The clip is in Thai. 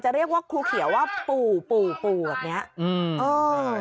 จะเรียกว่าครูเขียวว่าปู่แบบนี้